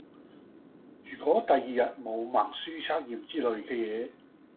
如果第二日冇默書測驗之類嘅野